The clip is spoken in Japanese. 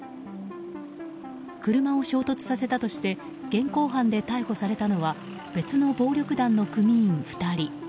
車を衝突させたとして現行犯で逮捕されたのは別の暴力団の組員２人。